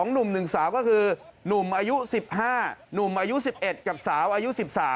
หนุ่ม๑สาวก็คือหนุ่มอายุ๑๕หนุ่มอายุ๑๑กับสาวอายุ๑๓